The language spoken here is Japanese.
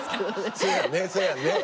そうやね。